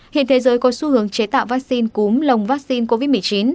hiện thế giới có xu hướng chế tạo vaccine cúm lồng vaccine covid một mươi chín